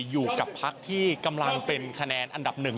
อยู่กับพักที่กำลังเป็นคะแนนอันดับหนึ่ง